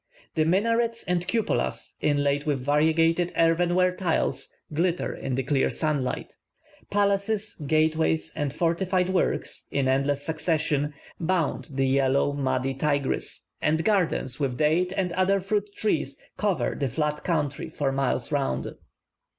The minarets and cupolas, inlaid with variegated earthenware tiles, glitter in the clear sunlight; palaces, gateways, and fortified works, in endless succession, bound the yellow, muddy Tigris; and gardens, with date and other fruit trees, cover the flat country for miles round.